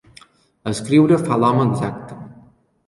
Escriure fa l'home exacte.